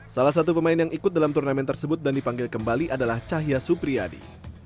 salah satu pemain yang ikut dalam turnamen tersebut dan dipanggil kembali adalah cahya supriyadi